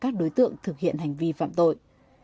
các đối tượng thực hiện hành vi phạm tội